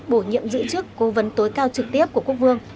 bổ nhiệm giữ chức cố vấn tối cao trực tiếp của quốc vương